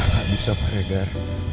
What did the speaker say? gak bisa pak regar